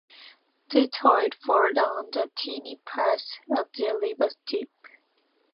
They toiled forward along a tiny path on the river’s lip.